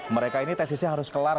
mereka ini tesisnya harus kelar